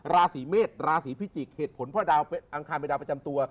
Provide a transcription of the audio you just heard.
ราศีเมษราศีพิจิกษ์เหตุผลเพราะดาวอังคารเป็นดาวประจำตัว